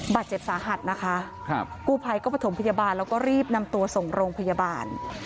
บาดเจ็บสาหัสนะคะครับกู้ภัยก็ประถมพยาบาลแล้วก็รีบนำตัวส่งโรงพยาบาล